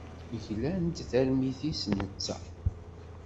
Iglem-d tarmit-is netta.